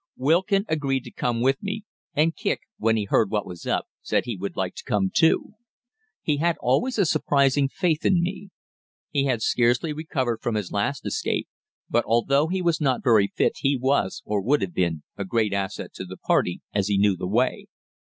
Wilkin agreed to come with me, and Kicq, when he heard what was up, said he would like to come too. He had always a surprising faith in me. He had scarcely recovered from his last escape, but although he was not very fit, he was, or would have been, a great asset to the party, as he knew the way.